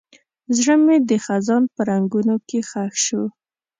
زړه مې د خزان په رنګونو کې ښخ شو.